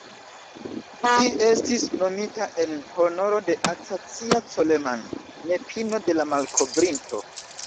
Ĝi estis nomita en honoro de "Acacia Coleman", nepino de la malkovrinto.